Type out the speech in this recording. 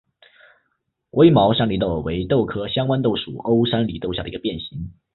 微毛山黧豆为豆科香豌豆属欧山黧豆下的一个变型。